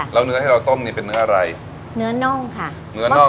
แล้วเนื้อที่เราต้มนี่เป็นเนื้ออะไรเนื้อน่องค่ะเนื้อน่อง